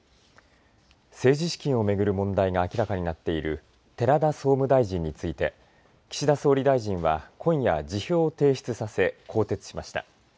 政治資金を巡る問題が明らかになっている寺田総務大臣について岸田総理大臣は今夜辞表を提出させ更迭しました。